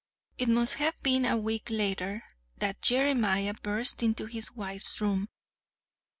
It must have been a week later that Jeremiah burst into his wife's room.